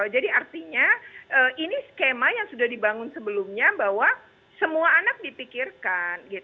jadi artinya ini skema yang sudah dibangun sebelumnya bahwa semua anak dipikirkan